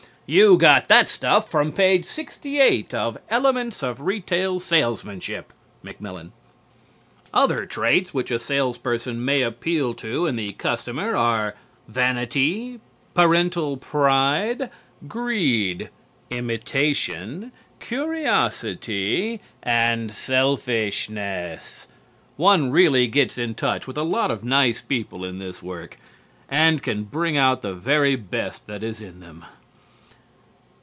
You got that stuff from page 68 of 'Elements of Retail Salesmanship' (Macmillan)." Other traits which a salesperson may appeal to in the customer are: Vanity, parental pride, greed, imitation, curiosity and selfishness. One really gets in touch with a lot of nice people in this work and can bring out the very best that is in them.